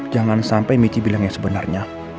jangan sampai michi bilang yang sebenarnya